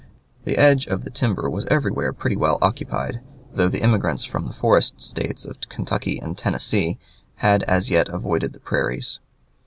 The edge of the timber was everywhere pretty well occupied, though the immigrants from the forest States of Kentucky and Tennessee had as yet avoided the prairies.